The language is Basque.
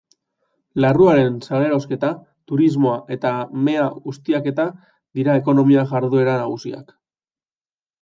Larruaren salerosketa, turismoa eta mea ustiaketa dira ekonomia jarduera nagusiak.